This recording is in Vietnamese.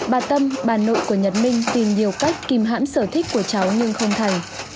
bà tâm bà nội của nhật minh tìm nhiều cách kìm hãm sở thích của cháu nhưng không thành